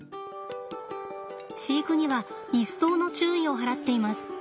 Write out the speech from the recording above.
飼育には一層の注意を払っています。